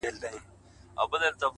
زما ځوانمرگ وماته وايي!!